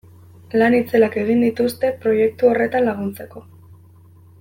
Lan itzelak egin dituzte proiektu horretan laguntzeko.